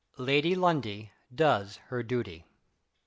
LADY LUNDIE DOES HER DUTY.